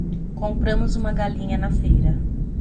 Compramos uma galinha na feira